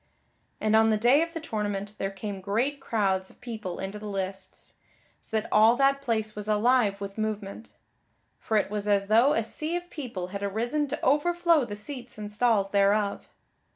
And on the day of the tournament there came great crowds of people into the lists, so that all that place was alive with movement. For it was as though a sea of people had arisen to overflow the seats and stalls thereof.